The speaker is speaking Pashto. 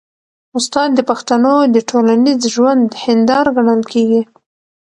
استاد د پښتنو د ټولنیز ژوند هنداره ګڼل کېږي.